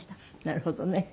なるほどね。